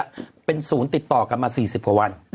เป็นศูนย์ติดต่อกันมา๔๐กว่าวัน